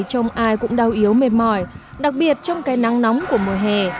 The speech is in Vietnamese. trong ai cũng đau yếu mệt mỏi đặc biệt trong cái nắng nóng của mùa hè